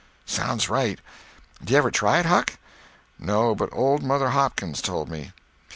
"Sounds right. D'you ever try it, Huck?" "No, but old Mother Hopkins told me."